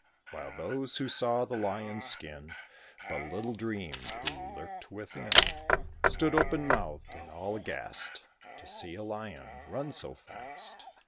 While those who saw the Lion's skin, But little dreamed who lurked within, Stood open mouthed, and all aghast, To see a Lion run so fast.